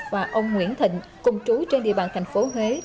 và ông nguyễn thịnh cùng chú trên địa bàn thành phố huế